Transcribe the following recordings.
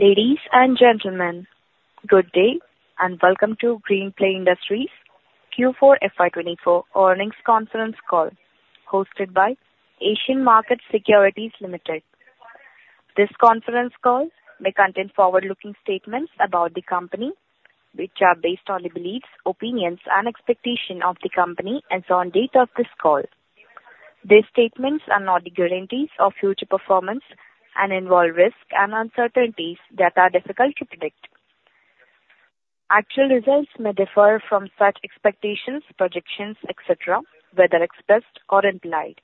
Ladies and gentlemen, good day, and welcome to Greenply Industries' Q4 FY 2024 earnings conference call, hosted by Asian Markets Securities Private Limited. This conference call may contain forward-looking statements about the company, which are based on the beliefs, opinions, and expectation of the company as on date of this call. These statements are not guarantees of future performance and involve risks and uncertainties that are difficult to predict. Actual results may differ from such expectations, projections, et cetera, whether expressed or implied.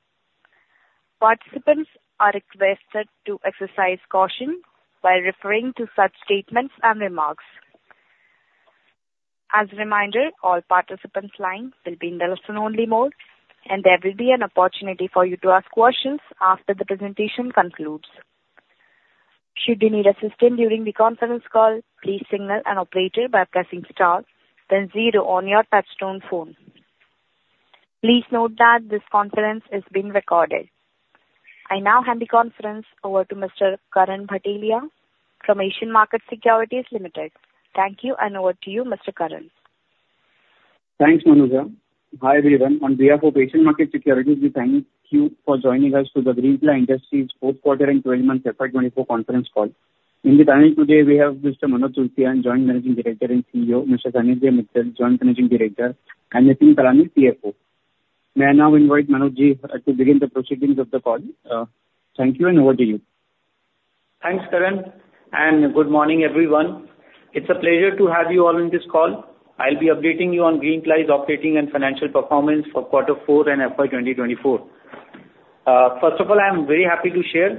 Participants are requested to exercise caution while referring to such statements and remarks. As a reminder, all participants' lines will be in listen-only mode, and there will be an opportunity for you to ask questions after the presentation concludes. Should you need assistance during the conference call, please signal an operator by pressing star, then zero on your touchtone phone. Please note that this conference is being recorded. I now hand the conference over to Mr. Karan Bhatelia from Asian Markets Securities Limited. Thank you, and over to you, Mr. Karan. Thanks, Manuja. Hi, everyone. On behalf of Asian Markets Securities, we thank you for joining us to the Greenply Industries fourth quarter and 20 months FY 2024 conference call. In the panel today, we have Mr. Manoj Tulsian, Joint Managing Director and CEO, Mr. Sanidhya Mittal, Joint Managing Director, and Nitin Kalani, CFO. May I now invite Manoj ji to begin the proceedings of the call. Thank you, and over to you. Thanks, Karan, and good morning, everyone. It's a pleasure to have you all in this call. I'll be updating you on Greenply's operating and financial performance for quarter four and FY 2024. First of all, I am very happy to share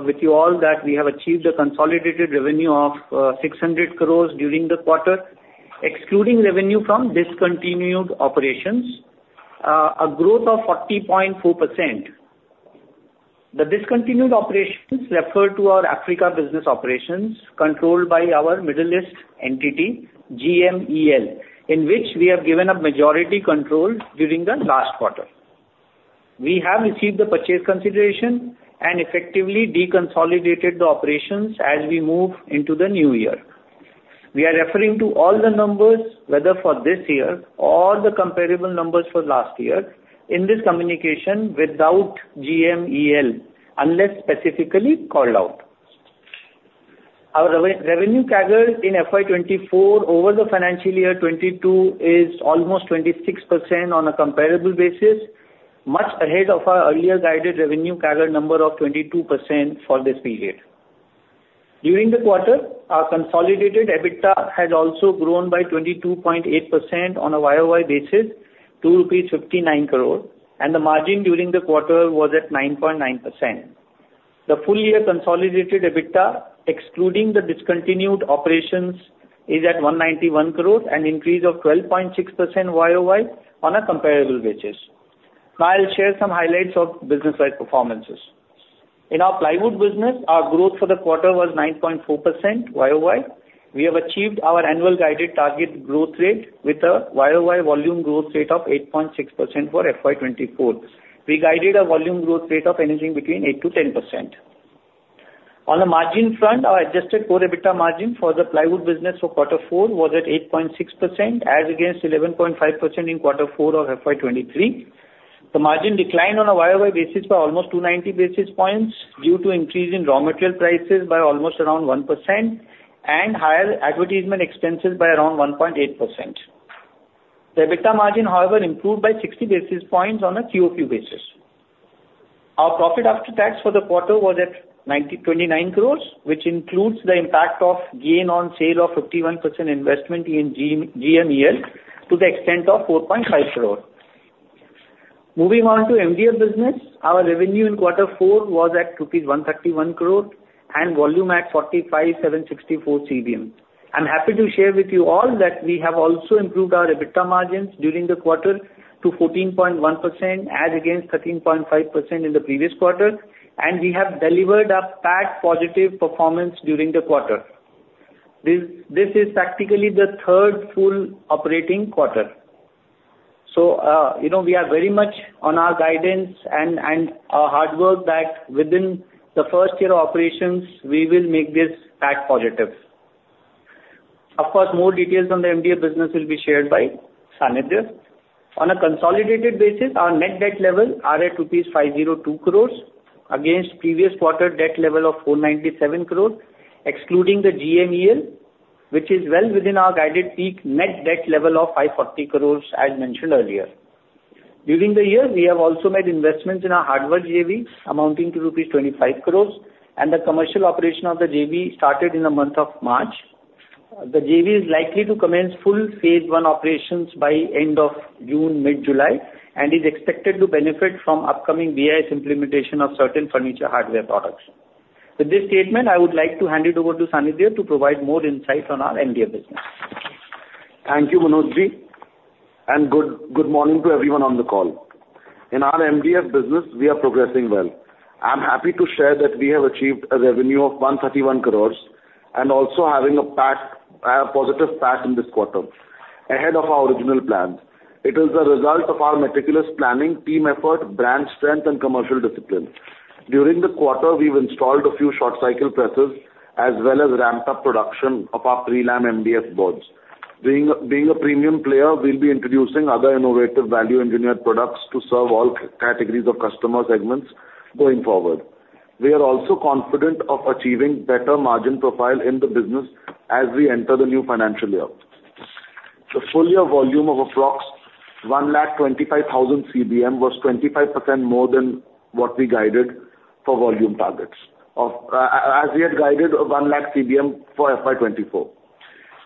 with you all that we have achieved a consolidated revenue of 600 crore during the quarter, excluding revenue from discontinued operations, a growth of 40.4%. The discontinued operations refer to our Africa business operations, controlled by our Middle East entity, GMEL, in which we have given up majority control during the last quarter. We have received the purchase consideration and effectively deconsolidated the operations as we move into the new year. We are referring to all the numbers, whether for this year or the comparable numbers for last year, in this communication without GMEL, unless specifically called out. Our revenue CAGR in FY 2024 over the financial year 2022 is almost 26% on a comparable basis, much ahead of our earlier guided revenue CAGR number of 22% for this period. During the quarter, our consolidated EBITDA has also grown by 22.8% on a YOY basis to rupees 59 crore, and the margin during the quarter was at 9.9%. The full year consolidated EBITDA, excluding the discontinued operations, is at 191 crore, an increase of 12.6% YOY on a comparable basis. Now, I'll share some highlights of business-wide performances. In our plywood business, our growth for the quarter was 9.4% YOY. We have achieved our annual guided target growth rate with a YOY volume growth rate of 8.6% for FY 2024. We guided a volume growth rate of anything between 8%-10%. On the margin front, our adjusted core EBITDA margin for the plywood business for quarter four was at 8.6%, as against 11.5% in quarter four of FY 2023. The margin declined on a YOY basis by almost 290 basis points due to increase in raw material prices by almost around 1% and higher advertisement expenses by around 1.8%. The EBITDA margin, however, improved by 60 basis points on a QOQ basis. Our profit after tax for the quarter was at 92.29 crores, which includes the impact of gain on sale of 51% investment in GMEL to the extent of 4.5 crore. Moving on to MDF business, our revenue in quarter four was at rupees 131 crore and volume at 45,764 CBM. I'm happy to share with you all that we have also improved our EBITDA margins during the quarter to 14.1%, as against 13.5% in the previous quarter, and we have delivered a PAT positive performance during the quarter. This, this is practically the third full operating quarter. So, you know, we are very much on our guidance and, and our hard work that within the first year of operations, we will make this PAT positive. Of course, more details on the MDF business will be shared by Sanidhya. On a consolidated basis, our net debt level are at rupees 502 crore, against previous quarter debt level of 497 crore, excluding the GMEL, which is well within our guided peak net debt level of 540 crore, as mentioned earlier. During the year, we have also made investments in our hardware JV amounting to rupees 25 crore, and the commercial operation of the JV started in the month of March. The JV is likely to commence full phase one operations by end of June, mid-July, and is expected to benefit from upcoming BIS implementation of certain furniture hardware products. With this statement, I would like to hand it over to Sanidhya to provide more insight on our MDF business. Thank you, Manoj ji, and good, good morning to everyone on the call. In our MDF business, we are progressing well. I'm happy to share that we have achieved a revenue of 131 crore and also having a PAT, positive PAT in this quarter.... ahead of our original plans. It is the result of our meticulous planning, team effort, brand strength, and commercial discipline. During the quarter, we've installed a few short cycle presses, as well as ramped up production of our prelam MDF boards. Being a premium player, we'll be introducing other innovative value engineered products to serve all categories of customer segments going forward. We are also confident of achieving better margin profile in the business as we enter the new financial year. The full year volume of approximately 125,000 CBM was 25% more than what we guided for volume targets of, as we had guided, of 100,000 CBM for FY 2024.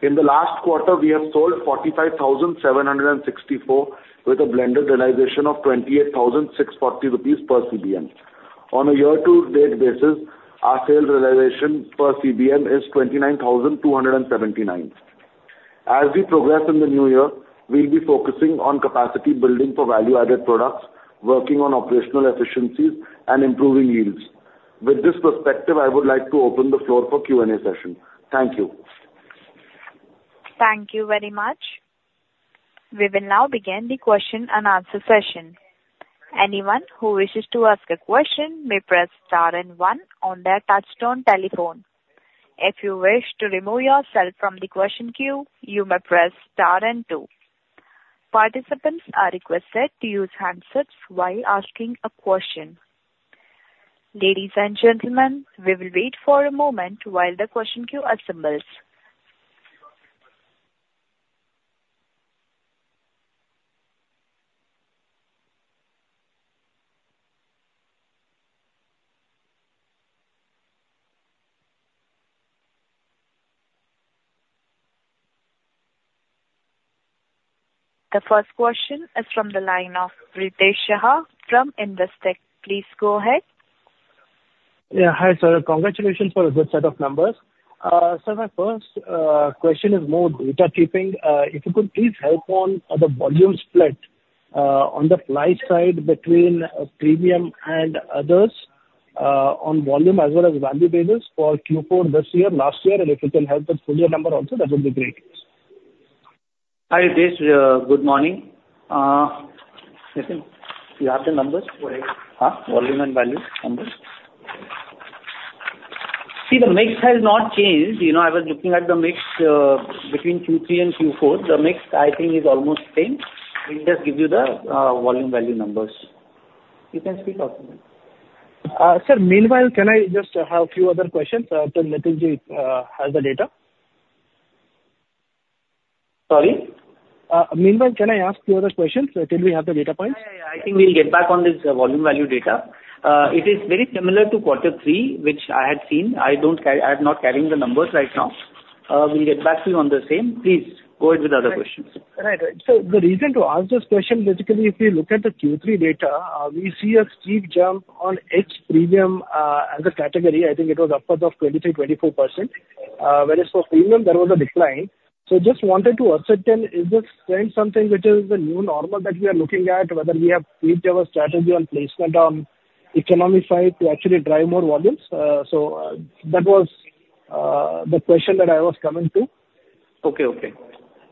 In the last quarter, we have sold 45,764, with a blended realization of 28,640 rupees per CBM. On a year-to-date basis, our sales realization per CBM is 29,279. As we progress in the new year, we'll be focusing on capacity building for value-added products, working on operational efficiencies, and improving yields. With this perspective, I would like to open the floor for Q&A session. Thank you. Thank you very much. We will now begin the question and answer session. Anyone who wishes to ask a question may press star and one on their touchtone telephone. If you wish to remove yourself from the question queue, you may press star and two. Participants are requested to use handsets while asking a question. Ladies and gentlemen, we will wait for a moment while the question queue assembles. The first question is from the line of Ritesh Shah from Indus Tech. Please go ahead. Yeah. Hi, sir. Congratulations for a good set of numbers. Sir, my first question is more data keeping. If you could please help on the volume split on the ply side between premium and others on volume as well as value basis for Q4 this year, last year, and if you can help with full year number also, that would be great. Hi, Ritesh. Good morning. Nitin, do you have the numbers? Whatever. Huh? Volume and value numbers. See, the mix has not changed. You know, I was looking at the mix between Q3 and Q4. The mix, I think, is almost same. We'll just give you the volume value numbers. You can speak out. Sir, meanwhile, can I just have a few other questions till Nitinji has the data? Sorry? Meanwhile, can I ask two other questions until we have the data points? Yeah, yeah, yeah. I think we'll get back on this volume value data. It is very similar to quarter three, which I had seen. I don't carry... I am not carrying the numbers right now. We'll get back to you on the same. Please, go ahead with other questions. Right. Right. So the reason to ask this question, basically, if you look at the Q3 data, we see a steep jump on edge premium, as a category. I think it was upwards of 23-24%. Whereas for premium, there was a decline. So just wanted to ascertain, is this trend something which is the new normal that we are looking at, whether we have tweaked our strategy on placement on economy side to actually drive more volumes? So, that was the question that I was coming to. Okay, okay.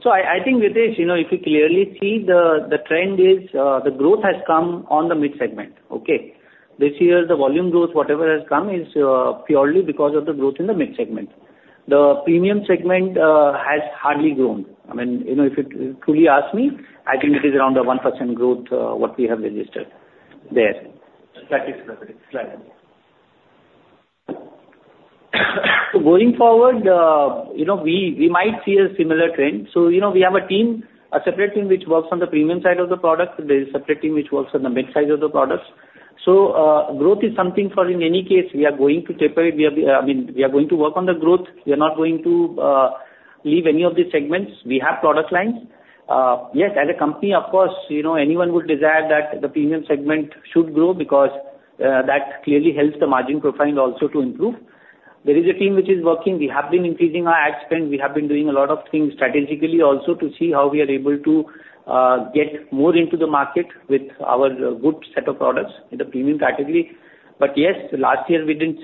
So I think Ritesh, you know, if you clearly see the trend is the growth has come on the mid segment, okay? This year, the volume growth, whatever has come, is purely because of the growth in the mid segment. The premium segment has hardly grown. I mean, you know, if you truly ask me, I think it is around a 1% growth what we have registered there. That is correct. Slightly. So going forward, you know, we, we might see a similar trend. So, you know, we have a team, a separate team, which works on the premium side of the product. There is a separate team which works on the mid side of the products. So, growth is something for in any case, we are going to taper it. We are, I mean, we are going to work on the growth. We are not going to, leave any of these segments. We have product lines. Yes, as a company, of course, you know, anyone would desire that the premium segment should grow because, that clearly helps the margin profile also to improve. There is a team which is working. We have been increasing our ad spend. We have been doing a lot of things strategically also to see how we are able to get more into the market with our good set of products in the premium category. But yes, last year we didn't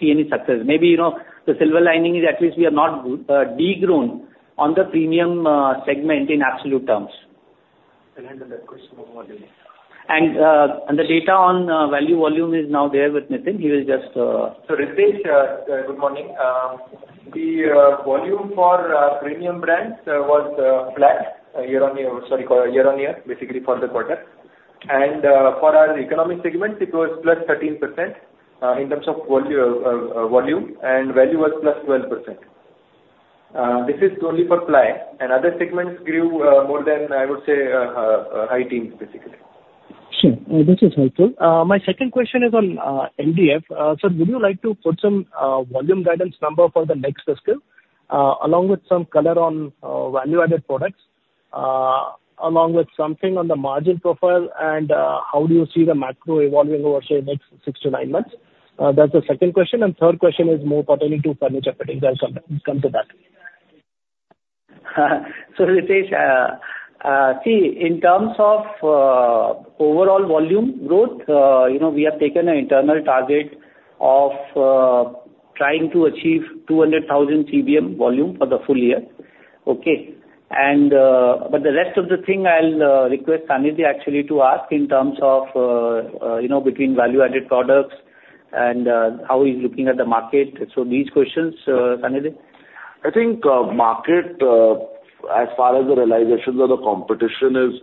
see any success. Maybe, you know, the silver lining is at least we have not de-grown on the premium segment in absolute terms. Can I handle that question on volume? And the data on value volume is now there with Nitin. He will just, So, Ritesh, good morning. The volume for premium brands was flat year-on-year, sorry, year-over-year, basically for the quarter. And for our economic segment, it was +13% in terms of volume, and value was +12%. This is only for ply and other segments grew more than, I would say, high teens, basically. Sure, this is helpful. My second question is on MDF. Sir, would you like to put some volume guidance number for the next fiscal, along with some color on value-added products, along with something on the margin profile, and how do you see the macro evolving over, say, next six to nine months? That's the second question. And third question is more pertaining to furniture fittings. I'll sometimes come to that. So, Ritesh, see, in terms of overall volume growth, you know, we have taken an internal target of trying to achieve 200,000 CBM volume for the full year. Okay? And but the rest of the thing I'll request Sanidhya actually to ask in terms of you know, between value-added products and how he's looking at the market. So these questions, Sanidhya. I think, market, as far as the realizations or the competition is,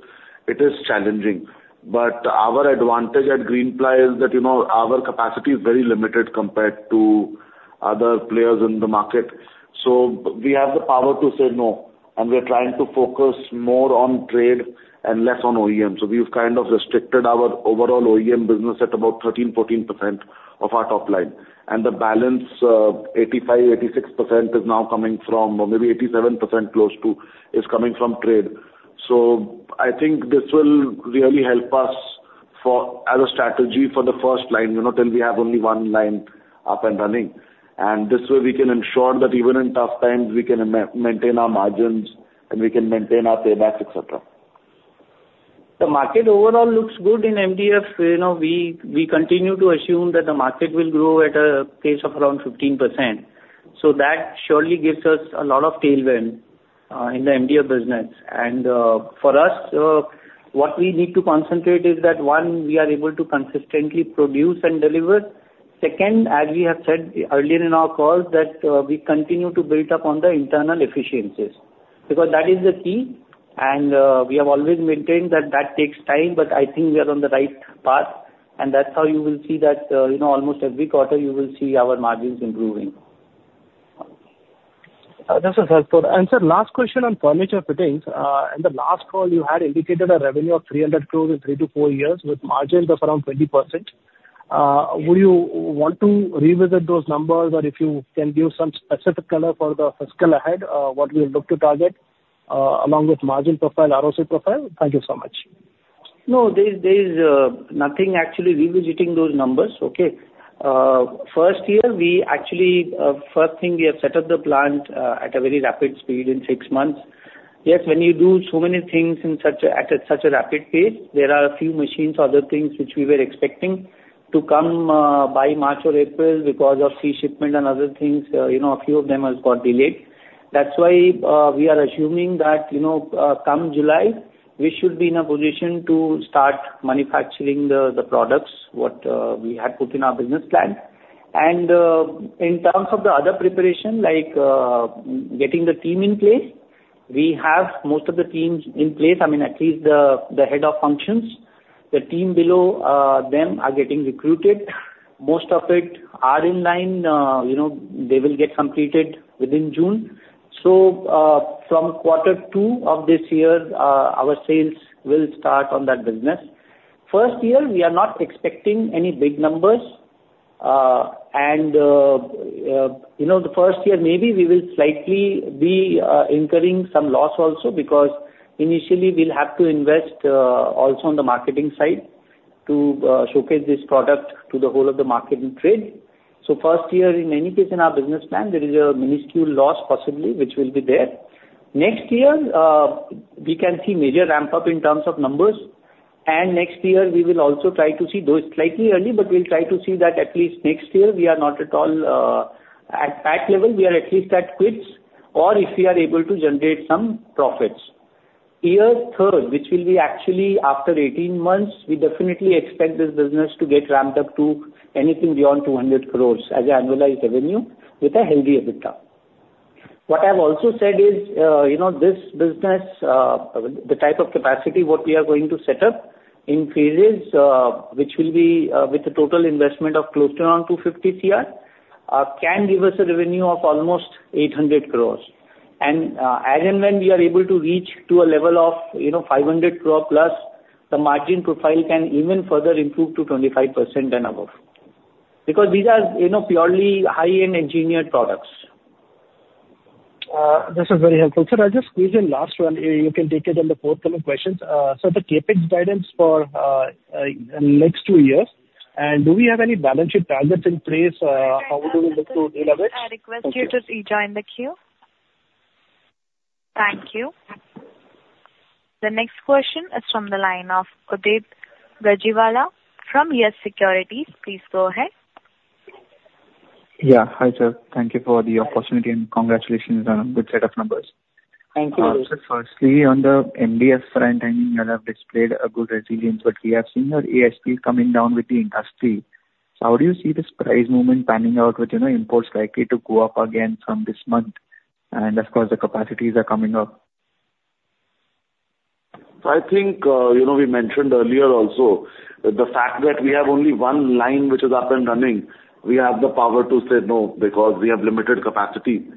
it is challenging. But our advantage at Greenply is that, you know, our capacity is very limited compared to other players in the market. So we have the power to say no, and we are trying to focus more on trade and less on OEM. So we've kind of restricted our overall OEM business at about 13-14% of our top line, and the balance, 85-86% is now coming from, or maybe close to 87%, is coming from trade. So I think this will really help us for as a strategy for the first line, you know, till we have only one line up and running. And this way, we can ensure that even in tough times, we can maintain our margins and we can maintain our paybacks, et cetera. The market overall looks good in MDF. You know, we continue to assume that the market will grow at a pace of around 15%. So that surely gives us a lot of tailwind in the MDF business. And for us, what we need to concentrate is that, one, we are able to consistently produce and deliver. Second, as we have said earlier in our call, that we continue to build up on the internal efficiencies, because that is the key, and we have always maintained that that takes time, but I think we are on the right path. And that's how you will see that, you know, almost every quarter, you will see our margins improving. This is helpful. And sir, last question on furniture fittings. In the last call, you had indicated a revenue of 300 crore in 3-4 years with margins of around 20%. Would you want to revisit those numbers, or if you can give some specific color for the fiscal ahead, what we look to target, along with margin profile, ROC profile? Thank you so much. No, there is nothing actually revisiting those numbers, okay? First year, we actually first thing, we have set up the plant at a very rapid speed in six months. Yes, when you do so many things in such a rapid pace, there are a few machines or other things which we were expecting to come by March or April because of sea shipment and other things, you know, a few of them has got delayed. That's why, we are assuming that, you know, come July, we should be in a position to start manufacturing the products what we had put in our business plan. And, in terms of the other preparation, like, getting the team in place, we have most of the teams in place. I mean, at least the head of functions. The team below them are getting recruited. Most of it are in line, you know, they will get completed within June. So, from quarter two of this year, our sales will start on that business. First year, we are not expecting any big numbers. You know, the first year, maybe we will slightly be incurring some loss also, because initially we'll have to invest also on the marketing side to showcase this product to the whole of the market and trade. So first year, in any case, in our business plan, there is a minuscule loss possibly, which will be there. Next year, we can see major ramp-up in terms of numbers, and next year we will also try to see those slightly early, but we'll try to see that at least next year we are not at all, at pack level. We are at least at quits or if we are able to generate some profits. Year third, which will be actually after 18 months, we definitely expect this business to get ramped up to anything beyond 200 crore as an annualized revenue with a healthy EBITDA. What I've also said is, you know, this business, the type of capacity what we are going to set up in phases, which will be, with a total investment of close to around 250 crore, can give us a revenue of almost 800 crore. As and when we are able to reach to a level of, you know, 500 crore+, the margin profile can even further improve to 25% and above, because these are, you know, purely high-end engineered products. This is very helpful. Sir, I'll just squeeze in last one. You can take it in the fourth round of questions. So the CapEx guidance for next two years, and do we have any balance sheet targets in place, how would we look to leverage? I request you to please join the queue. Thank you. The next question is from the line of Uday Rajiwala from Yes Securities. Please go ahead. Yeah. Hi, sir. Thank you for the opportunity, and congratulations on a good set of numbers. Thank you. So, firstly, on the MDF front, I mean, you have displayed a good resilience, but we have seen your ASP coming down with the industry. So how do you see this price movement panning out with, you know, imports likely to go up again from this month, and of course, the capacities are coming up? I think, you know, we mentioned earlier also, the fact that we have only one line which is up and running. We have the power to say no, because we have limited capacity,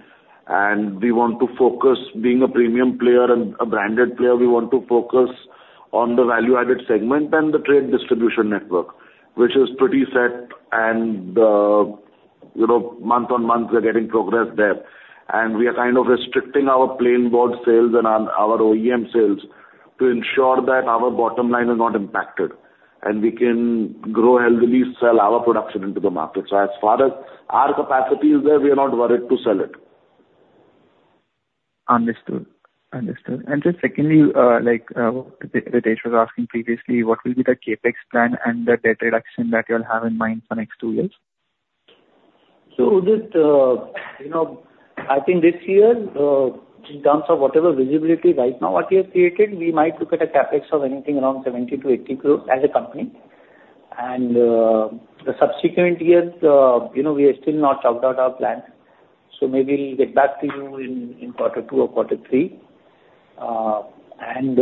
and we want to focus being a premium player and a branded player. We want to focus on the value-added segment and the trade distribution network, which is pretty set, and, you know, month-on-month, we're getting progress there. We are kind of restricting our plain board sales and our OEM sales to ensure that our bottom line is not impacted.... and we can grow healthily, sell our production into the market. As far as our capacity is there, we are not worried to sell it. Understood. Understood. And just secondly, like, Ritesh was asking previously, what will be the CapEx plan and the debt reduction that you'll have in mind for next two years? So this, you know, I think this year, in terms of whatever visibility right now what we have created, we might look at a CapEx of anything around 70 crore-80 crore as a company. And, the subsequent years, you know, we have still not chalked out our plan, so maybe we'll get back to you in, in quarter two or quarter three. And,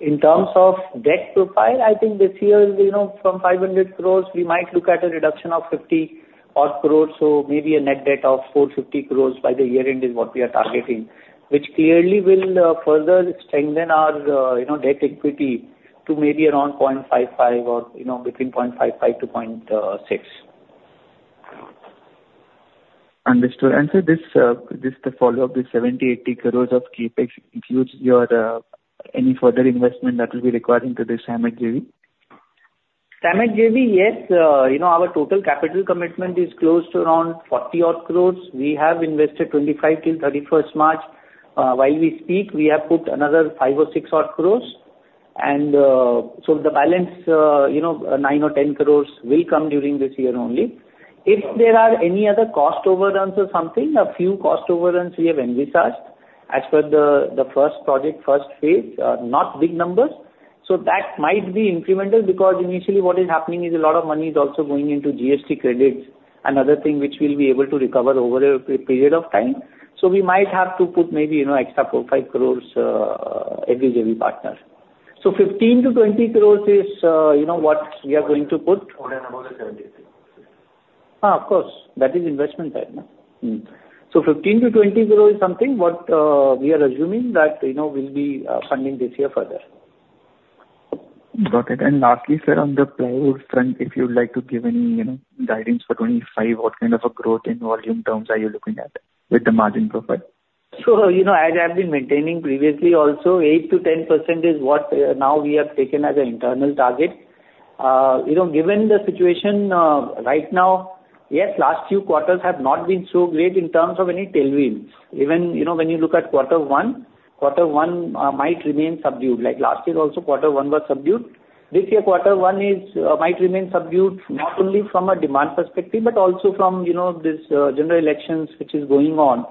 in terms of debt profile, I think this year, you know, from 500 crores, we might look at a reduction of 50 odd crores, so maybe a net debt of 450 crores by the year end is what we are targeting. Which clearly will, further strengthen our, you know, debt equity to maybe around 0.55 or, you know, between 0.55 to 0.6. Understood. And so this, just a follow-up, the 70-80 crores of CapEx includes your any further investment that will be required into this SAMET JV? SAMET JV, yes, you know, our total capital commitment is close to around 40-odd crore. We have invested 25 till 31st March. While we speak, we have put another 5 or 6-odd crore. And, so the balance, you know, 9 or 10 crore will come during this year only. If there are any other cost overruns or something, a few cost overruns we have envisaged, as per the first project, first phase, not big numbers. So that might be incremental, because initially what is happening is a lot of money is also going into GST credits, another thing which we'll be able to recover over a period of time. So we might have to put maybe, you know, extra 4, 5 crore, every JV partner. So 15-20 crore is, you know, what we are going to put. More and above the 70 crores. Of course, that is investment right now. So 15 crore-20 crore is something what we are assuming that, you know, we'll be funding this year further. Got it. And lastly, sir, on the plywood front, if you would like to give any, you know, guidance for 25, what kind of a growth in volume terms are you looking at, with the margin profile? So, you know, as I've been maintaining previously also, 8%-10% is what, now we have taken as an internal target. You know, given the situation, right now, yes, last few quarters have not been so great in terms of any tailwinds. Even, you know, when you look at quarter one, quarter one, might remain subdued. Like last year also, quarter one was subdued. This year, quarter one is, might remain subdued, not only from a demand perspective, but also from, you know, this, general elections which is going on,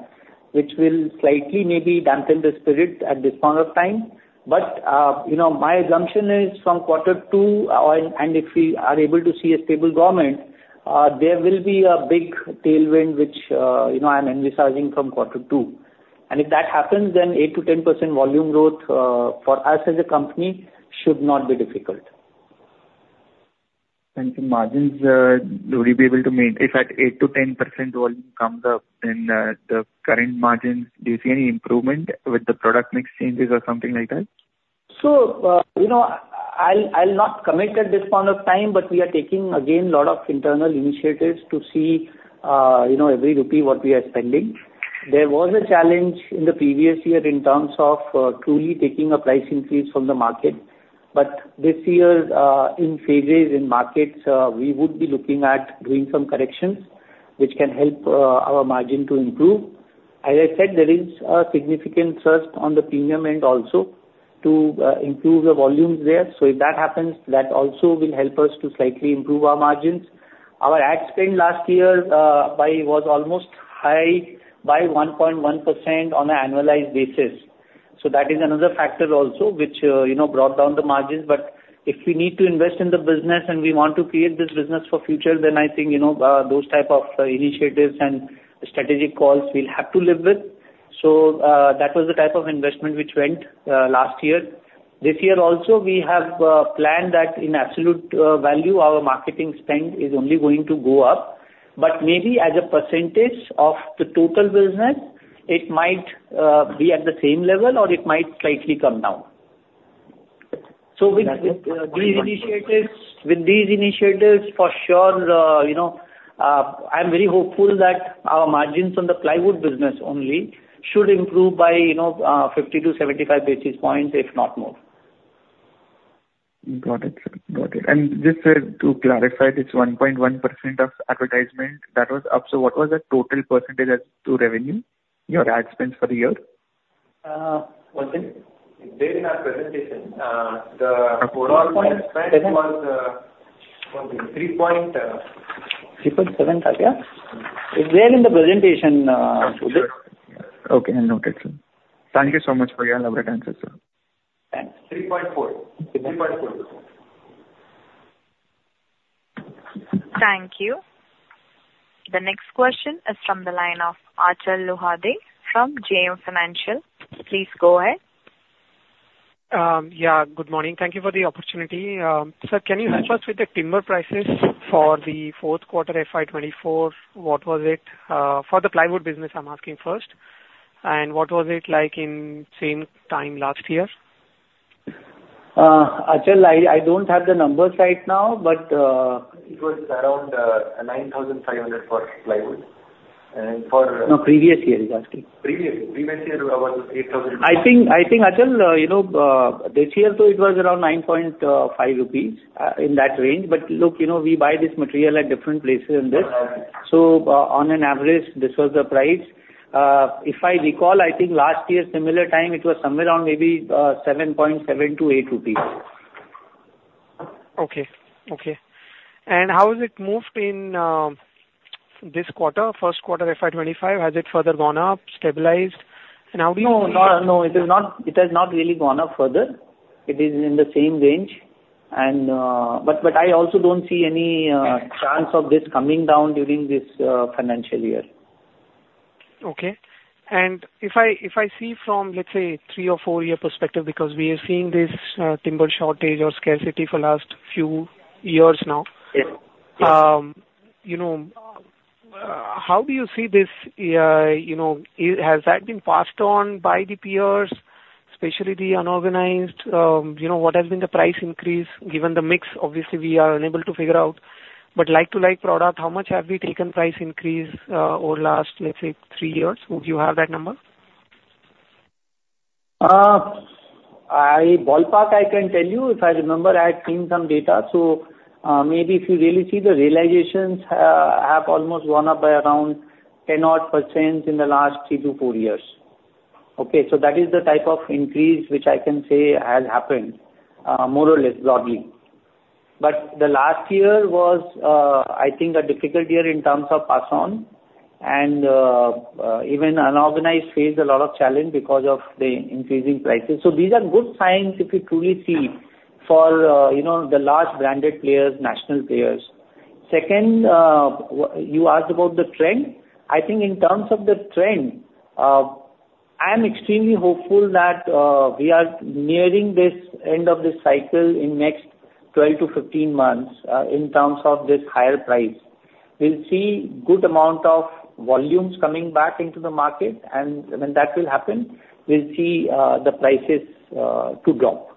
which will slightly maybe dampen the spirit at this point of time. But, you know, my assumption is from quarter two, and, and if we are able to see a stable government, there will be a big tailwind which, you know, I'm envisaging from quarter two. If that happens, then 8%-10% volume growth for us as a company should not be difficult. The margins, will you be able to maintain? If at 8%-10% volume comes up, then, the current margins, do you see any improvement with the product mix changes or something like that? So, you know, I'll not commit at this point of time, but we are taking again a lot of internal initiatives to see, you know, every INR what we are spending. There was a challenge in the previous year in terms of truly taking up pricing fees from the market. But this year, in phases, in markets, we would be looking at doing some corrections, which can help our margin to improve. As I said, there is a significant surge on the premium end also, to improve the volumes there. So if that happens, that also will help us to slightly improve our margins. Our ad spend last year was high by 1.1% on an annualized basis. So that is another factor also, which, you know, brought down the margins. But if we need to invest in the business and we want to create this business for future, then I think, you know, those type of, initiatives and strategic calls we'll have to live with. So, that was the type of investment which went, last year. This year also, we have, planned that in absolute, value, our marketing spend is only going to go up. But maybe as a percentage of the total business, it might, be at the same level or it might slightly come down. So with, with, these initiatives, with these initiatives, for sure, you know, I'm very hopeful that our margins on the plywood business only should improve by, you know, 50-75 basis points, if not more. Got it, sir. Got it. And just, to clarify, this 1.1% of advertisement that was up, so what was the total percentage as to revenue, your ad spends for the year? One second. It's there in our presentation. Four point- Total spend was 3 point... 3.7, Kaavya? It's there in the presentation, Sudhir. Okay, I noted, sir. Thank you so much for your elaborate answers, sir. Thanks. 3.4. 3.4. Thank you. The next question is from the line of Achal Lohade from JM Financial. Please go ahead. Yeah, good morning. Thank you for the opportunity. Sir, can you help us with the timber prices for the fourth quarter, FY 2024? What was it for the plywood business, I'm asking first. And what was it like in same time last year? Achal, I don't have the numbers right now, but. It was around 9,500 for plywood.... and for- No, previous year he's asking. Previous year was 8,000- I think, Achal, you know, this year so it was around 9.5 rupees in that range. But look, you know, we buy this material at different places in this. Uh-huh. So on an average, this was the price. If I recall, I think last year, similar time, it was somewhere around maybe 7.7-INR 8. Okay, okay. And how has it moved in this quarter, first quarter FY 2025? Has it further gone up, stabilized? And how do you- No, no, no, it has not, it has not really gone up further. It is in the same range and... But, but I also don't see any chance of this coming down during this financial year. Okay. And if I see from, let's say, three- or four-year perspective, because we are seeing this timber shortage or scarcity for last few years now. Yeah. Yes. You know, how do you see this, you know, has that been passed on by the peers, especially the unorganized, you know, what has been the price increase, given the mix? Obviously, we are unable to figure out, but like to like product, how much have we taken price increase, over the last, let's say, three years? Would you have that number? Ballpark, I can tell you, if I remember, I had seen some data. So, maybe if you really see the realizations, have almost gone up by around 10%-odd in the last 3-4 years. Okay, so that is the type of increase which I can say has happened, more or less, broadly. But the last year was, I think, a difficult year in terms of pass-on, and even unorganized faced a lot of challenge because of the increasing prices. So these are good signs, if you truly see, for, you know, the large branded players, national players. Second, you asked about the trend. I think in terms of the trend, I am extremely hopeful that we are nearing this end of this cycle in next 12-15 months, in terms of this higher price. We'll see good amount of volumes coming back into the market, and when that will happen, we'll see the prices to drop.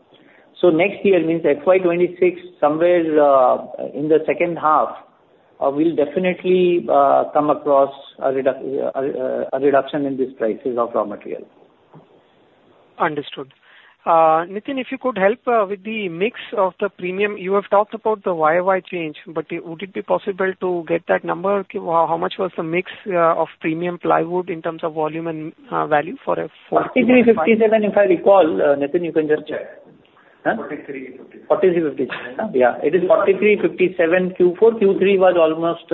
So next year, means FY 2026, somewhere in the second half, we'll definitely come across a reduction in these prices of raw material. Understood. Nitin, if you could help with the mix of the premium. You have talked about the YOY change, but would it be possible to get that number, how much was the mix of premium plywood in terms of volume and value for F- 43, 57, if I recall. Nitin, you can just check. Forty-three, fifty-seven. 43, 57. Yeah. It is 43, 57, Q4. Q3 was almost,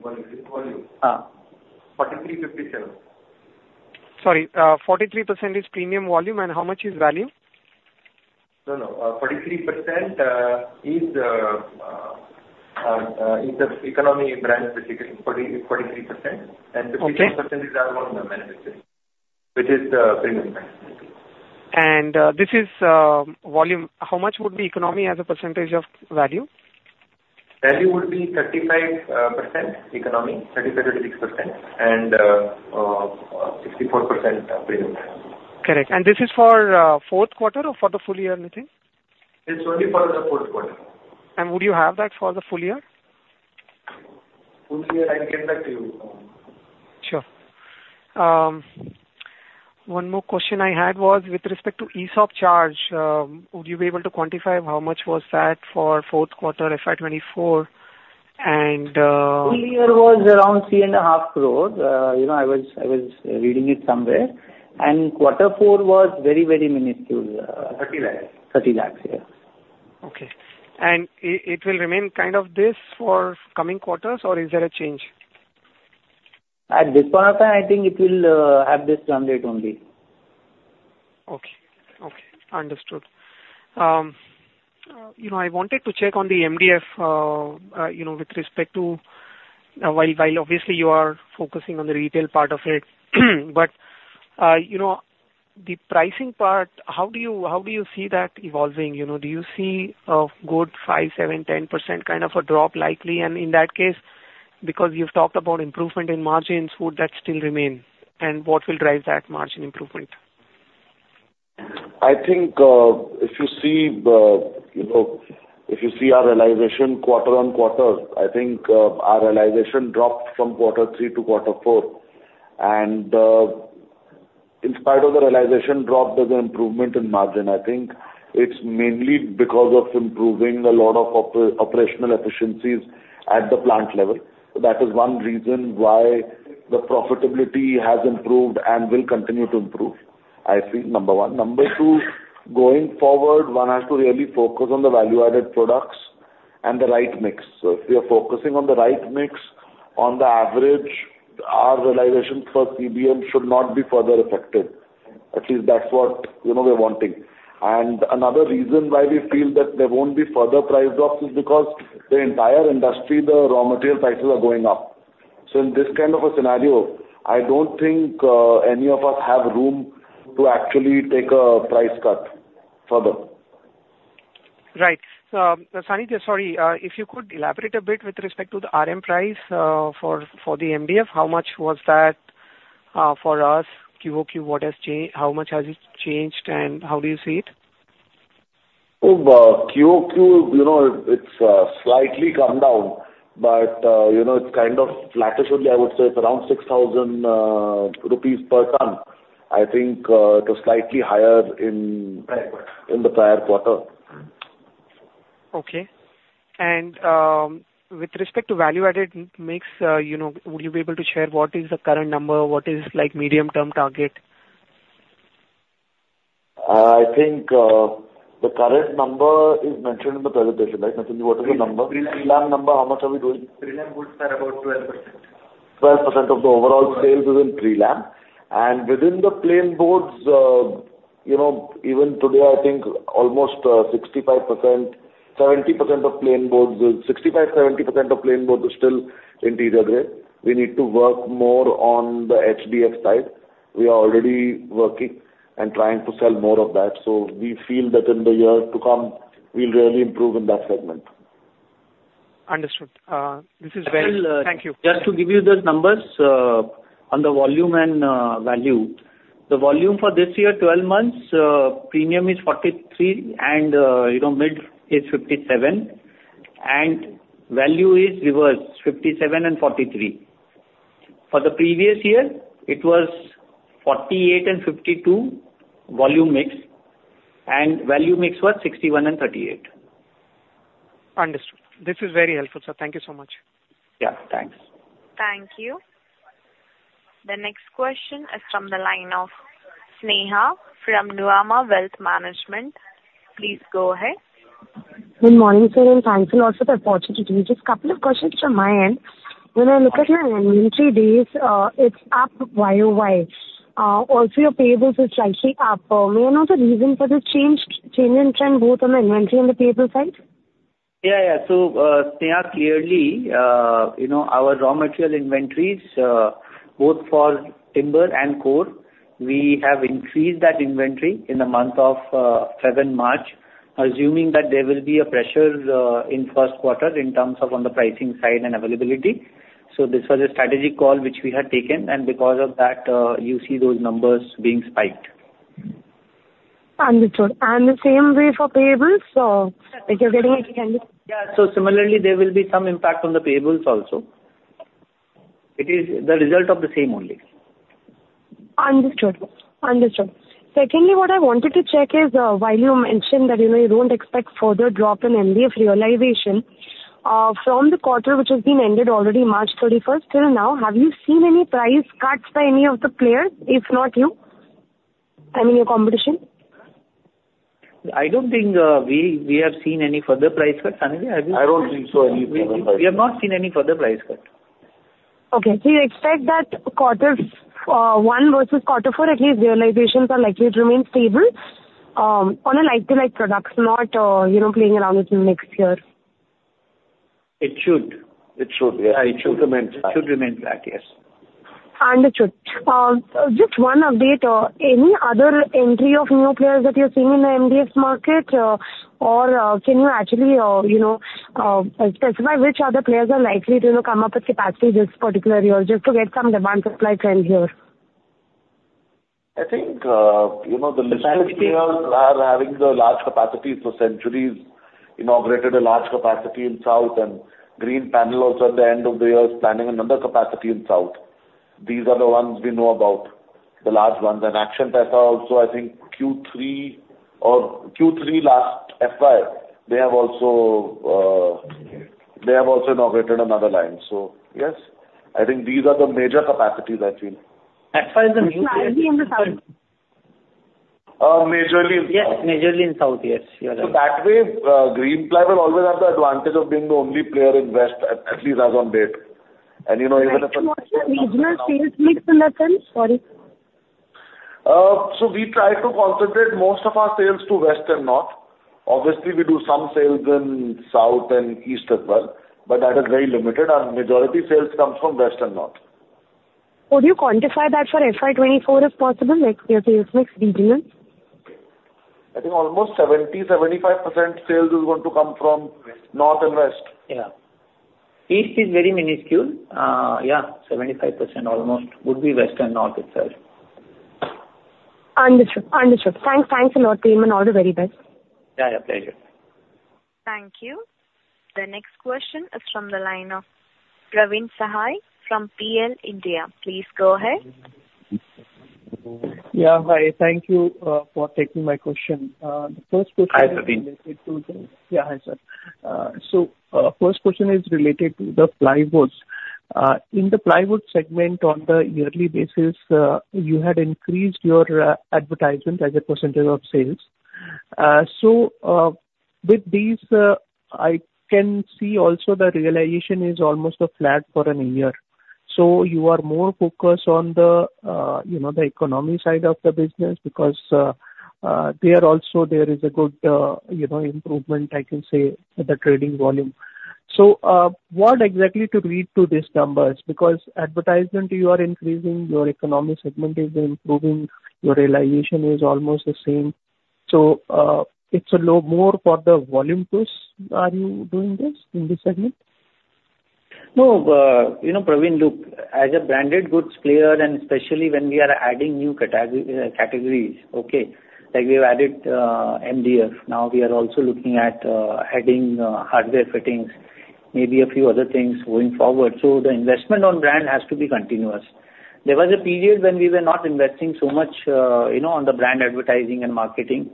Volume, volume. Ah. Forty-three, fifty-seven. Sorry, 43% is premium volume, and how much is value? No, no, 43% is the economy brand, basically, 40, 43%. Okay. 57% is our own brand, which is the premium brand. This is volume. How much would be economy as a percentage of value? Value would be 35% economy, 35%-36%, and 64% premium. Correct. And this is for, fourth quarter or for the full year, Nitin? It's only for the fourth quarter. Would you have that for the full year? Full year, I'll get back to you. Sure. One more question I had was with respect to ESOP charge. Would you be able to quantify how much was that for fourth quarter FY 2024, and, Full year was around 3.5 crore. You know, I was reading it somewhere, and quarter four was very, very minuscule. Thirty lakhs. 30 lakh, yeah. Okay. It will remain kind of this for coming quarters, or is there a change? At this point of time, I think it will have this trend rate only. Okay. Okay, understood. You know, I wanted to check on the MDF, you know, with respect to... While, while obviously you are focusing on the retail part of it, but, you know, the pricing part, how do you, how do you see that evolving? You know, do you see a good 5, 7, 10% kind of a drop likely? And in that case, because you've talked about improvement in margins, would that still remain? And what will drive that margin improvement? I think, if you see, you know, if you see our realization quarter-on-quarter, I think, our realization dropped from quarter three to quarter four. And, in spite of the realization drop, there's an improvement in margin. I think it's mainly because of improving a lot of operational efficiencies at the plant level. That is one reason why the profitability has improved and will continue to improve, I think, number one. Number two, going forward, one has to really focus on the value-added products and the right mix. So if we are focusing on the right mix, on the average, our realization for CBM should not be further affected. At least that's what, you know, we're wanting. And another reason why we feel that there won't be further price drops is because the entire industry, the raw material prices are going up. In this kind of a scenario, I don't think any of us have room to actually take a price cut further. Right. Sanidhya, if you could elaborate a bit with respect to the RM price for the MDF. How much was that for us? QOQ, what has changed, how much has it changed, and how do you see it?... Oh, QOQ, you know, it's slightly come down, but you know, it's kind of flattish only. I would say it's around 6,000 rupees per ton. I think it was slightly higher in- Prior quarter. in the prior quarter. Okay. And, with respect to value-added mix, you know, would you be able to share what is the current number? What is, like, medium-term target? I think, the current number is mentioned in the presentation, right, Sanjeev? What is the number? Prelam number, how much are we doing? Prelam woods are about 12%. 12% of the overall sales is in Prelam. Within the plain boards, you know, even today, I think almost 65%-70% of plain boards is still interior grade. We need to work more on the HDF side. We are already working and trying to sell more of that, so we feel that in the years to come, we'll really improve in that segment. Understood. This is very- I will, Thank you. Just to give you those numbers on the volume and value. The volume for this year, twelve months, premium is 43, and you know, mid is 57, and value is reverse, 57 and 43. For the previous year, it was 48 and 52, volume mix, and value mix was 61 and 38. Understood. This is very helpful, sir. Thank you so much. Yeah, thanks. Thank you. The next question is from the line of Sneha from Nuvama Wealth Management. Please go ahead. Good morning, sir, and thanks a lot for the opportunity. Just a couple of questions from my end. When I look at your inventory days, it's up YOY. Also, your payables is slightly up. May I know the reason for the change in trend, both on inventory and the payable side? Yeah, yeah. So, Sneha, clearly, you know, our raw material inventories, both for timber and core, we have increased that inventory in the month of February and March, assuming that there will be a pressure in first quarter in terms of on the pricing side and availability. So this was a strategic call which we had taken, and because of that, you see those numbers being spiked. Understood. And the same way for payables, so like you're getting it again? Yeah. So similarly, there will be some impact on the payables also. It is the result of the same only. Understood. Understood. Secondly, what I wanted to check is, while you mentioned that, you know, you don't expect further drop in MDF realization, from the quarter, which has been ended already, March 31st till now, have you seen any price cuts by any of the players, if not you, I mean, your competition? I don't think we have seen any further price cuts. Sanjeev, have you? I don't think so, any further price- We have not seen any further price cut. Okay. So you expect that quarters one versus quarter four, at least realizations are likely to remain stable, on a like-to-like products, not you know, playing around with the mix here? It should. It should, yeah. It should remain flat. It should remain flat, yes. Understood. Just one update, any other entry of new players that you're seeing in the MDF market, or, can you actually, you know, specify which other players are likely to, you know, come up with capacity this particular year, just to get some demand-supply trend here? I think, you know, the listed players are having the large capacity. So Century Plyboards' inaugurated a large capacity in South, and Greenpanel also at the end of the year, is planning another capacity in South. These are the ones we know about, the large ones. And Action TESA also, I think Q3 or Q3 last FY, they have also, they have also inaugurated another line. So yes, I think these are the major capacities I feel. FY is the new year. Majorly in the South. Majorly in South. Yes, majorly in South, yes, you are right. So that way, Greenply will always have the advantage of being the only player in West, at least as on date. And, you know, even if a- What's your regional sales mix in that sense? Sorry. We try to concentrate most of our sales to West and North. Obviously, we do some sales in South and East as well, but that is very limited, and majority sales comes from West and North. Could you quantify that for FY 2024, if possible, like, your sales mix regionally? I think almost 70%-75% sales is going to come from- West. North and West. Yeah. East is very minuscule. Yeah, 75% almost would be West and North itself. Understood. Understood. Thanks, thanks a lot, team, and all the very best. Yeah, yeah, pleasure. Thank you. The next question is from the line of Praveen Sahay from PL India. Please go ahead. Yeah, hi. Thank you for taking my question. The first question- Hi, Praveen. Yeah, hi, sir. So, first question is related to the plywood. In the plywood segment, on the yearly basis, you had increased your advertisement as a percentage of sales. So, with these, I can see also the realization is almost flat for a year. So you are more focused on the, you know, the economy side of the business, because there also there is a good, you know, improvement, I can say, with the trading volume. So, what exactly to read to these numbers? Because advertisement, you are increasing, your economic segment is improving, your realization is almost the same. So, it's a lot more for the volume push, are you doing this in this segment? ... No, you know, Praveen, look, as a branded goods player, and especially when we are adding new categories, okay, like we've added MDF, now we are also looking at adding hardware fittings, maybe a few other things going forward. So the investment on brand has to be continuous. There was a period when we were not investing so much, you know, on the brand advertising and marketing,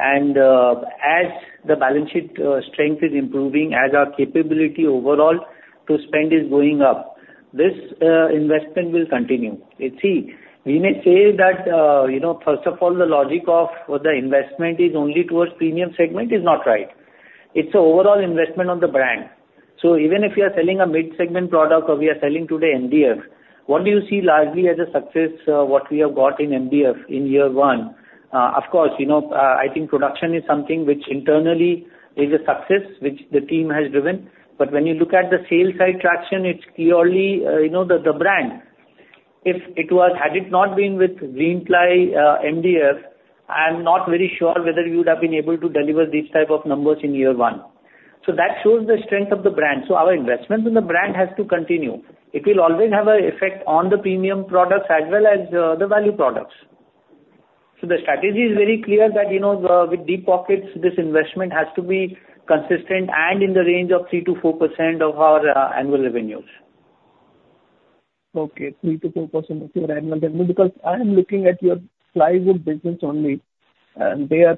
and, as the balance sheet strength is improving, as our capability overall to spend is going up, this investment will continue. You see, we may say that, you know, first of all, the logic of what the investment is only towards premium segment is not right. It's an overall investment on the brand. So even if you are selling a mid-segment product or we are selling today MDF, what do you see largely as a success, what we have got in MDF in year one? Of course, you know, I think production is something which internally is a success, which the team has driven. But when you look at the sales side traction, it's clearly, you know, the, the brand. If it was. Had it not been with Greenply, MDF, I'm not very sure whether you would have been able to deliver these type of numbers in year one. So that shows the strength of the brand. So our investment in the brand has to continue. It will always have a effect on the premium products as well as, the value products. The strategy is very clear that, you know, with deep pockets, this investment has to be consistent and in the range of 3%-4% of our annual revenues. Okay, 3%-4% of your annual revenue, because I am looking at your plywood business only, and they are,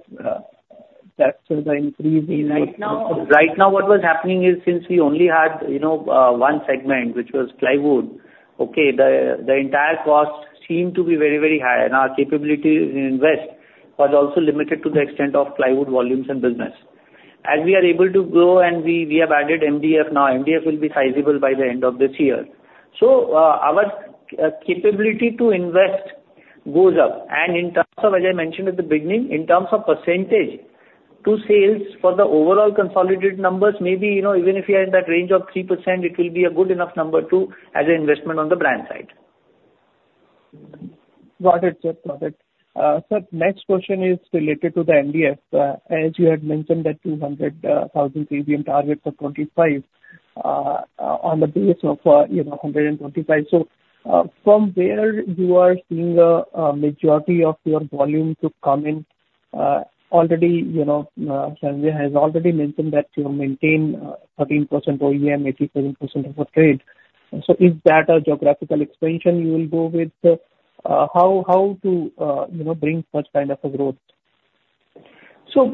that are the increase in- Right now, right now, what was happening is, since we only had, you know, one segment, which was plywood, okay, the entire cost seemed to be very, very high, and our capability to invest was also limited to the extent of plywood volumes and business. As we are able to grow and we have added MDF, now MDF will be sizable by the end of this year. So, our capability to invest goes up, and in terms of, as I mentioned at the beginning, in terms of percentage to sales for the overall consolidated numbers, maybe, you know, even if you are in that range of 3%, it will be a good enough number to, as an investment on the brand side. Got it. Got it. Sir, next question is related to the MDF. As you had mentioned that 200 thousand cubic and target for 25 on the basis of, you know, 125. So, from where you are seeing a majority of your volume to come in, already, you know, Sanjay has already mentioned that you maintain 13% OEM, 87% of the trade. So is that a geographical expansion you will go with? How to, you know, bring such kind of a growth? So,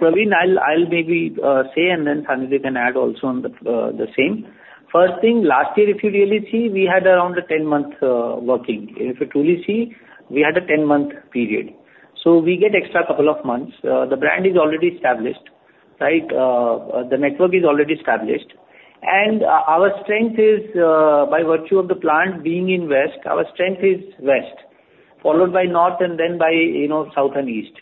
Praveen, I'll maybe say, and then Sanjay can add also on the same. First thing, last year, if you really see, we had around a 10-month working. If you truly see, we had a 10-month period. So we get extra 2 months. The brand is already established, right? The network is already established. And our strength is by virtue of the plant being in West, our strength is West, followed by North and then by, you know, South and East.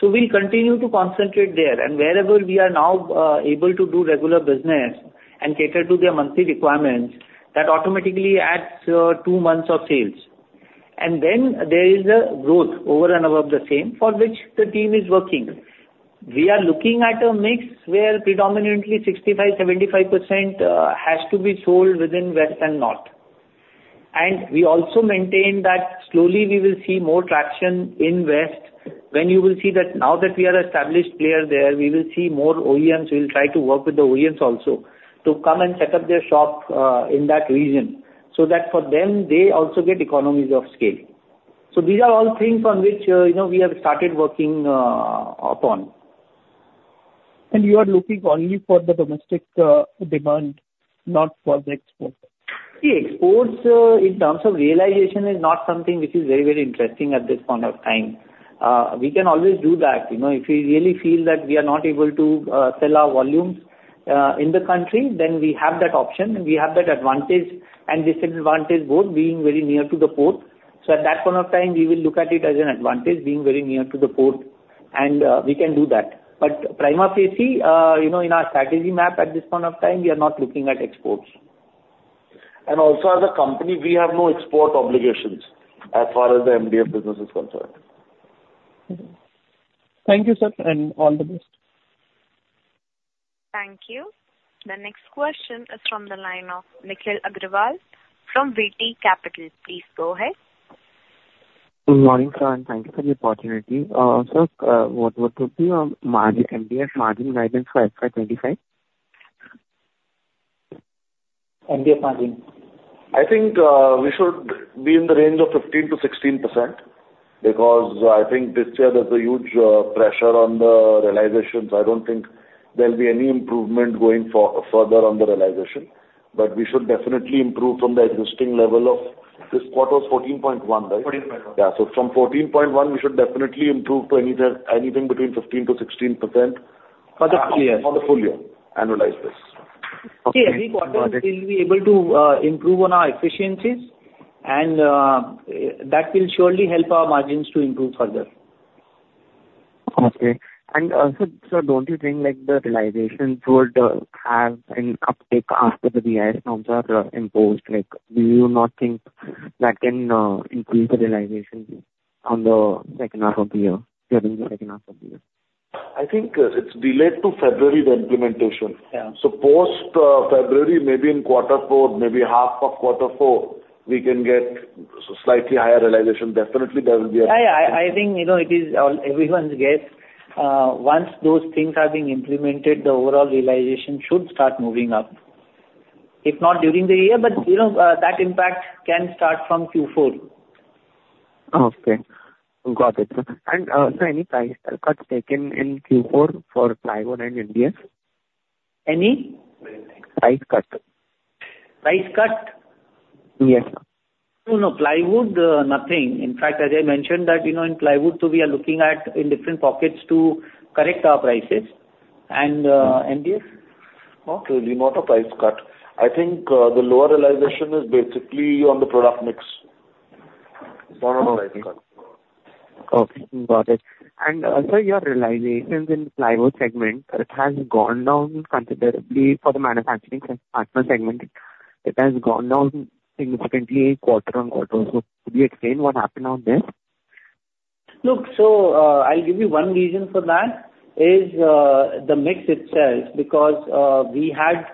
So we'll continue to concentrate there. And wherever we are now able to do regular business and cater to their monthly requirements, that automatically adds 2 months of sales. And then there is a growth over and above the same for which the team is working. We are looking at a mix where predominantly 65%-75% has to be sold within West and North. And we also maintain that slowly we will see more traction in West. When you will see that now that we are established player there, we will see more OEMs, we'll try to work with the OEMs also, to come and set up their shop, in that region, so that for them, they also get economies of scale. So these are all things on which, you know, we have started working, upon. You are looking only for the domestic demand, not for the export? The exports, in terms of realization is not something which is very, very interesting at this point of time. We can always do that. You know, if we really feel that we are not able to sell our volumes in the country, then we have that option, and we have that advantage and disadvantage both being very near to the port. So at that point of time, we will look at it as an advantage, being very near to the port, and we can do that. But prima facie, you know, in our strategy map at this point of time, we are not looking at exports. Also, as a company, we have no export obligations as far as the MDF business is concerned. Thank you, sir, and all the best. Thank you. The next question is from the line of Nikhil Agarwal from VT Capital. Please go ahead. Good morning, sir, and thank you for the opportunity. Sir, what would be margin, MDF margin guidance for FY 25? MDF margin. I think, we should be in the range of 15%-16%, because I think this year there's a huge pressure on the realization. So I don't think there'll be any improvement going forward on the realization. But we should definitely improve from the existing level of this quarter's 14.1%, right? 14.1. Yeah. So from 14.1, we should definitely improve to anything, anything between 15%-16%. For the full year. For the full year, annualized this. Okay. See, every quarter we'll be able to improve on our efficiencies, and that will surely help our margins to improve further. Okay. And also, sir, don't you think, like, the realization would have an uptick after the BIS norms are imposed? Like, do you not think that can increase the realization on the second half of the year, during the second half of the year?... I think, it's delayed to February, the implementation. Yeah. Post February, maybe in quarter four, maybe half of quarter four, we can get slightly higher realization. Definitely, there will be a- I think, you know, it is all everyone's guess. Once those things are being implemented, the overall realization should start moving up. If not during the year, but, you know, that impact can start from Q4. Okay. Got it. And so any price cuts taken in Q4 for plywood and MDF? Any? Price cut. Price cut? Yes, sir. No, no, plywood, nothing. In fact, as I mentioned that, you know, in plywood too, we are looking at in different pockets to correct our prices, and, MDF? No, truly, not a price cut. I think, the lower realization is basically on the product mix, not on price cut. Okay, got it. Sir, your realizations in plywood segment, it has gone down considerably for the manufacturing partner segment. It has gone down significantly quarter-over-quarter. Could you explain what happened on this? Look, so, I'll give you one reason for that, is, the mix itself because, we had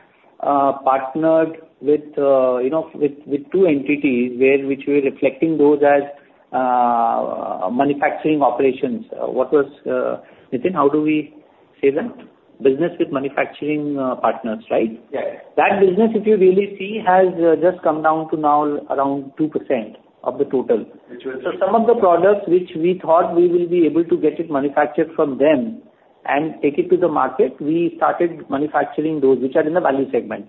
partnered with, you know, with, with two entities where—which we're reflecting those as, manufacturing operations. What was... Nitin, how do we say that? Business with manufacturing partners, right? Yes. That business, if you really see, has just come down to now around 2% of the total. Which was- So some of the products which we thought we will be able to get it manufactured from them and take it to the market, we started manufacturing those which are in the value segment,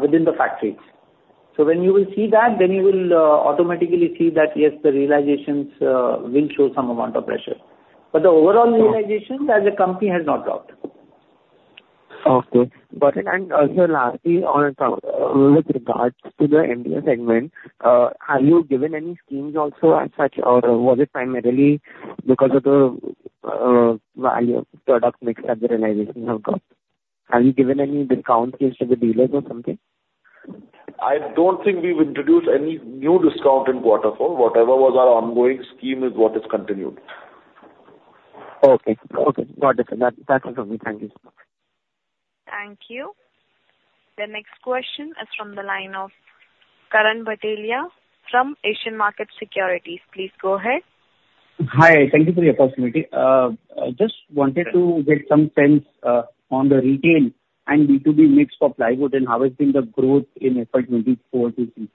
within the factories. So when you will see that, then you will automatically see that, yes, the realizations will show some amount of pressure. But the overall realizations as a company has not dropped. Okay. Got it. And also, lastly, on, with regards to the MDF segment, have you given any schemes also as such, or was it primarily because of the, value of product mix that the realization have got? Have you given any discounts to the dealers or something? I don't think we've introduced any new discount in quarter four. Whatever was our ongoing scheme is what is continued. Okay. Okay, got it. That, that's all from me. Thank you so much. Thank you. The next question is from the line of Karan Bhatelia from Asian Markets Securities. Please go ahead. Hi. Thank you for the opportunity. I just wanted to get some sense on the retail and B2B mix for plywood and how has been the growth in FY 2024 to see?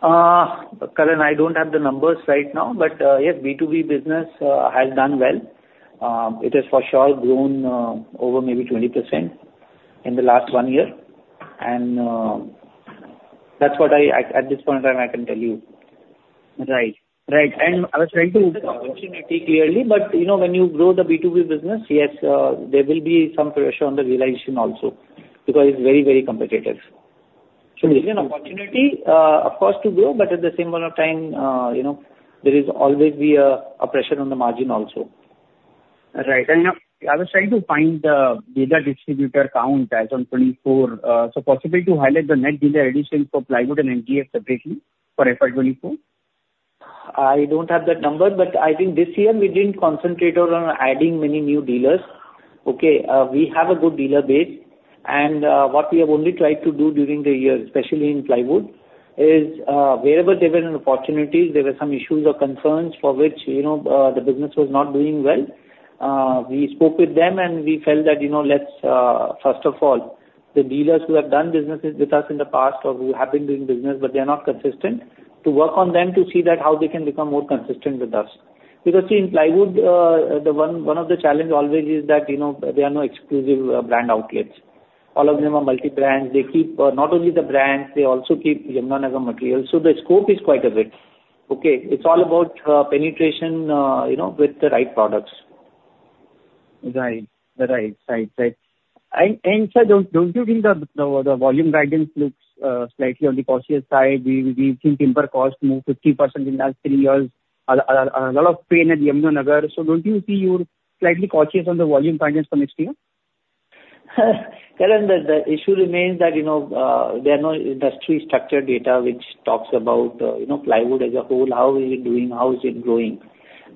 Karan, I don't have the numbers right now, but yes, B2B business has done well. It has for sure grown over maybe 20% in the last one year. That's what I, at this point in time, I can tell you. Right. Right. And I was trying to- Opportunity, clearly, but, you know, when you grow the B2B business, yes, there will be some pressure on the realization also because it's very, very competitive. So it is an opportunity, of course, to grow, but at the same point of time, you know, there is always be a pressure on the margin also. Right. I was trying to find the data distributor count as on 2024. So possibly to highlight the net dealer addition for plywood and MDF separately for FY 2024? I don't have that number, but I think this year we didn't concentrate on adding many new dealers. Okay, we have a good dealer base, and what we have only tried to do during the year, especially in plywood, is wherever there were any opportunities, there were some issues or concerns for which, you know, the business was not doing well, we spoke with them, and we felt that, you know, let's first of all, the dealers who have done business with us in the past or who have been doing business but they are not consistent, to work on them to see that how they can become more consistent with us. Because, see, in plywood, one of the challenges always is that, you know, there are no exclusive brand outlets. All of them are multi-brand. They keep not only the brands, they also keep Yamuna Nagar material. So the scope is quite a bit, okay? It's all about penetration, you know, with the right products. Right. Right. Right. Right. And, sir, don't you think the volume guidance looks slightly on the cautious side? We've seen timber cost move 50% in last 3 years, a lot of pain at Yamuna Nagar. So don't you see you're slightly cautious on the volume guidance from next year? Karan, the issue remains that, you know, there are no industry structure data which talks about, you know, plywood as a whole, how is it doing? How is it growing?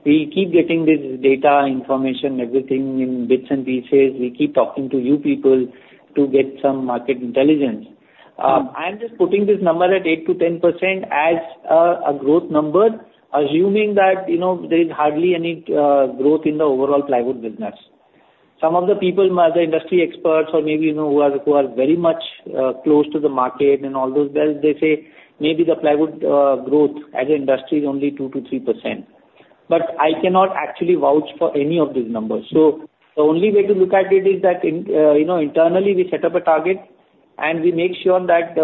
We keep getting this data, information, everything in bits and pieces. We keep talking to you people to get some market intelligence. I'm just putting this number at 8%-10% as a growth number, assuming that, you know, there is hardly any growth in the overall plywood business. Some of the people, the industry experts or maybe, you know, who are very much close to the market and all those, well, they say maybe the plywood growth as an industry is only 2%-3%. But I cannot actually vouch for any of these numbers. So the only way to look at it is that, in, you know, internally, we set up a target, and we make sure that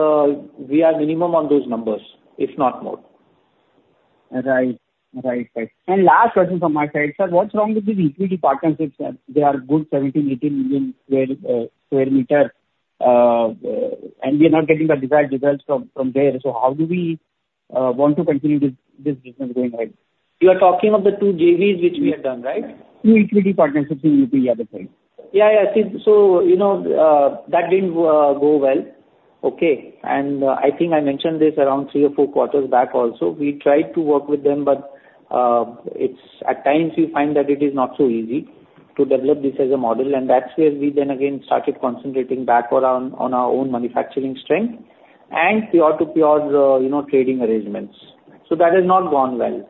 we are minimum on those numbers, if not more. Right. Right, right. Last question from my side, sir, what's wrong with these equity partnerships, sir? They are good, 17-18 million square meters, and we are not getting the desired results from there. So how do we want to continue this business going ahead? You are talking of the two JVs which we have done, right? Through equity partnerships with the other side. Yeah, yeah. I think so, you know, that didn't go well.... Okay, and I think I mentioned this around three or four quarters back also. We tried to work with them, but, it's at times, we find that it is not so easy to develop this as a model, and that's where we then again started concentrating back on our, on our own manufacturing strength and pure to pure, you know, trading arrangements. So that has not gone well.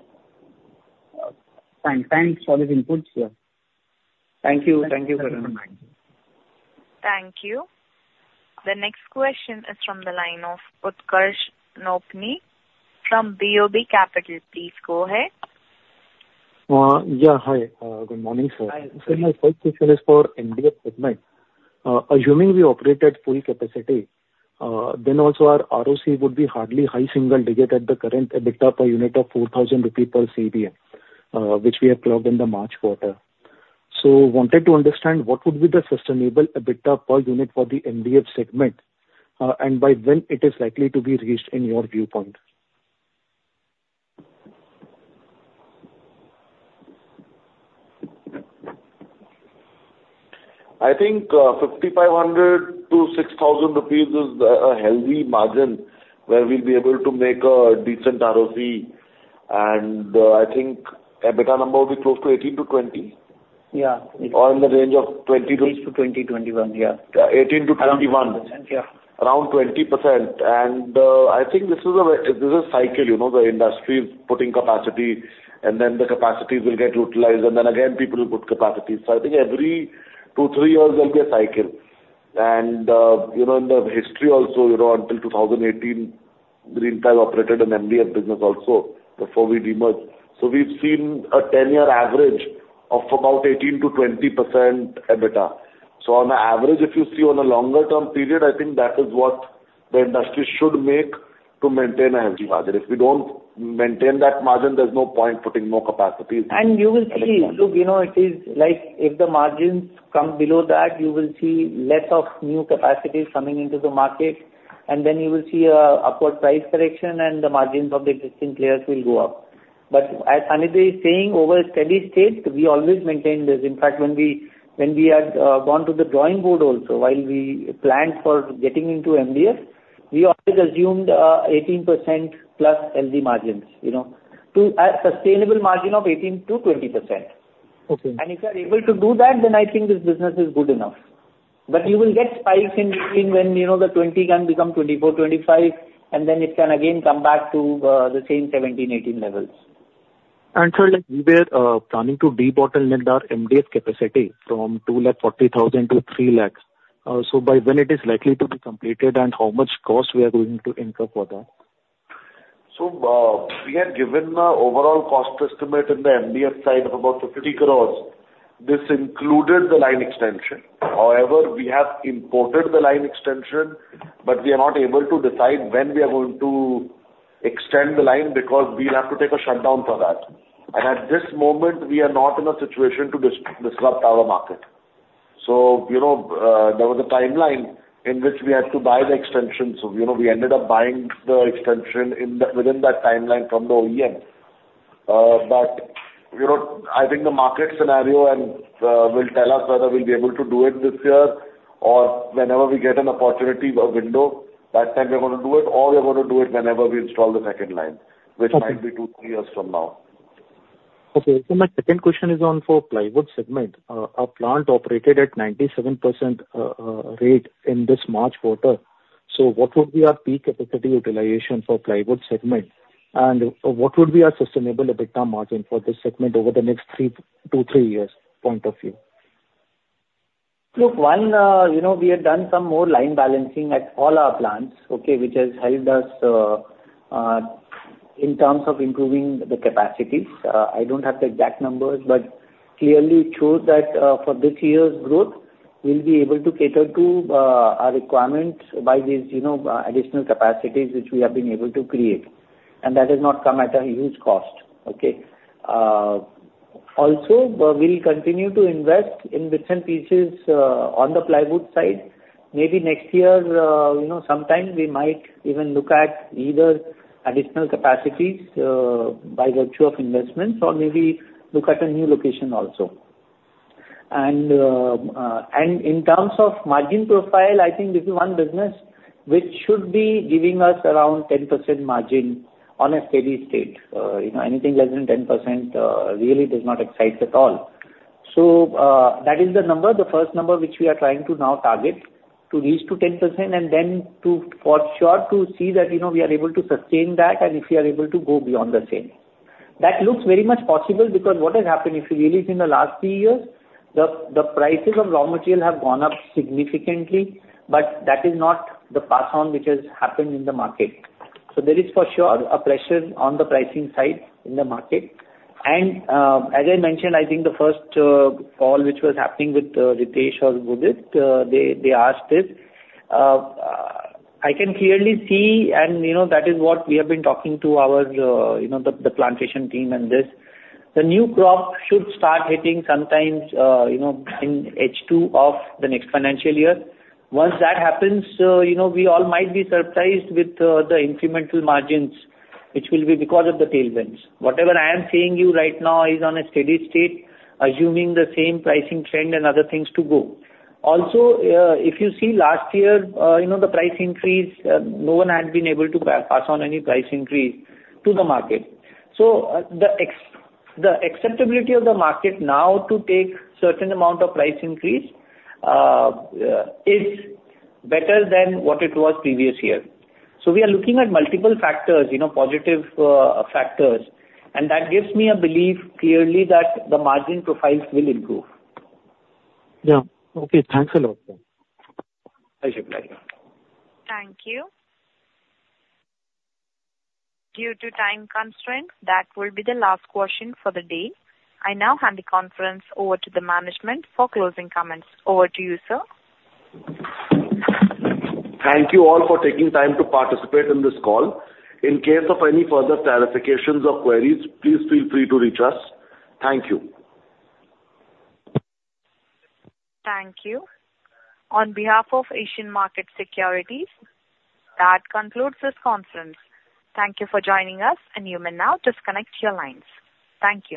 Fine. Thanks for these inputs, sir. Thank you. Thank you for them. Thank you. The next question is from the line of Utkarsh Nokni from BOB Capital. Please go ahead. Yeah, hi. Good morning, sir. Hi. So my first question is for MDF segment. Assuming we operate at full capacity, then also our ROC would be hardly high single digit at the current EBITDA per unit of 4,000 rupees per CBM, which we have plugged in the March quarter. Wanted to understand, what would be the sustainable EBITDA per unit for the MDF segment, and by when it is likely to be reached in your viewpoint? I think, 5,500-INR 6,000 is a, a healthy margin where we'll be able to make a decent ROC, and, I think EBITDA number will be close to 18-20. Yeah. Or in the range of 20 to- 18 to 20, 21, yeah. 18-21. Around 20%, yeah. Around 20%, and I think this is a, this is a cycle, you know, the industry is putting capacity, and then the capacities will get utilized, and then again, people will put capacities. So I think every 2-3 years there will be a cycle. And, you know, in the history also, you know, until 2018, Greenply operated an MDF business also before we demerged. So we've seen a 10-year average of about 18%-20% EBITDA. So on an average, if you see on a longer term period, I think that is what the industry should make to maintain a healthy margin. If we don't maintain that margin, there's no point putting more capacities. And you will see, look, you know, it is like if the margins come below that, you will see less of new capacities coming into the market, and then you will see an upward price correction, and the margins of the existing players will go up. But as Anit is saying, over a steady state, we always maintain this. In fact, when we had gone to the drawing board also, while we planned for getting into MDF, we always assumed 18%+ healthy margins, you know, to a sustainable margin of 18%-20%. Okay. If you are able to do that, then I think this business is good enough. But you will get spikes in between when, you know, the 20 can become 24, 25, and then it can again come back to the same 17, 18 levels. Sir, like, we were planning to debottleneck our MDF capacity from 240,000 to 300,000. So by when it is likely to be completed, and how much cost we are going to incur for that? So, we had given an overall cost estimate in the MDF side of about 50 crore. This included the line extension. However, we have imported the line extension, but we are not able to decide when we are going to extend the line, because we'll have to take a shutdown for that. And at this moment, we are not in a situation to disrupt our market. So, you know, there was a timeline in which we had to buy the extension, so, you know, we ended up buying the extension within that timeline from the OEM. But, you know, I think the market scenario and will tell us whether we'll be able to do it this year or whenever we get an opportunity or window. That time we're gonna do it, or we are gonna do it whenever we install the second line- Okay. -which might be 2, 3 years from now. Okay. So my second question is on for plywood segment. Our plant operated at 97%, rate in this March quarter. So what would be our peak capacity utilization for plywood segment? And what would be our sustainable EBITDA margin for this segment over the next three... two, three years point of view? Look, one, you know, we have done some more line balancing at all our plants, okay? Which has helped us, in terms of improving the capacities. I don't have the exact numbers, but clearly it shows that, for this year's growth, we'll be able to cater to, our requirements by these, you know, additional capacities which we have been able to create, and that has not come at a huge cost, okay? Also, we'll continue to invest in bits and pieces, on the plywood side. Maybe next year, you know, sometime we might even look at either additional capacities, by virtue of investments or maybe look at a new location also. And, and in terms of margin profile, I think this is one business which should be giving us around 10% margin on a steady state. You know, anything less than 10%, really does not excite us at all. So, that is the number, the first number which we are trying to now target, to reach to 10%, and then to, for sure, to see that, you know, we are able to sustain that and if we are able to go beyond the same. That looks very much possible, because what has happened, if you realize in the last three years, the prices of raw material have gone up significantly, but that is not the pass-on which has happened in the market. So there is for sure a pressure on the pricing side in the market. And, as I mentioned, I think the first call which was happening with Ritesh or Buddhist, they asked this. I can clearly see, and, you know, that is what we have been talking to our, you know, the plantation team and this. The new crop should start hitting sometimes, you know, in H2 of the next financial year. Once that happens, you know, we all might be surprised with the incremental margins, which will be because of the tailwinds. Whatever I am saying you right now is on a steady state, assuming the same pricing trend and other things to go. Also, if you see last year, you know, the price increase, no one had been able to pass on any price increase to the market. So, the acceptability of the market now to take certain amount of price increase is better than what it was previous year. We are looking at multiple factors, you know, positive factors, and that gives me a belief clearly that the margin profiles will improve. Yeah. Okay, thanks a lot, sir. Thank you. Thank you. Due to time constraints, that will be the last question for the day. I now hand the conference over to the management for closing comments. Over to you, sir. Thank you all for taking time to participate in this call. In case of any further clarifications or queries, please feel free to reach us. Thank you. Thank you. On behalf of Asian Markets Securities, that concludes this conference. Thank you for joining us, and you may now disconnect your lines. Thank you.